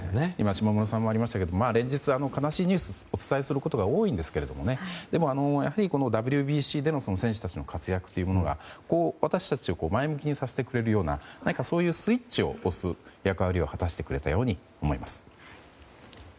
下村さんからもありましたが連日、悲しいニュースを多いんですけれどもやはりＷＢＣでの選手たちの活躍というものが私たちを前向きにさせてくれるような何か、そういうスイッチを押す役割を果たしてくれたように思います。